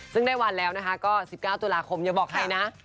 ซึ่งได้วันแล้วนะคะก็๑๙ตุลาคมอย่าบอกใครนะ